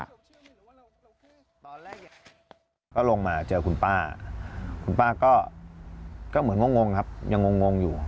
ก็ลงมาเจอคุณป้าคุณป้าก็เหมือนงงครับยังงงอยู่